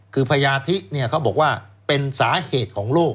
คือพญาธิเขาบอกว่าเป็นสาเหตุของโลก